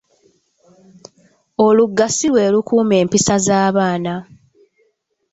Oluga si lwe lukuuma empisa z’abaana.